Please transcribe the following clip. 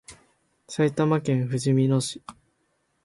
埼玉県ふじみ野市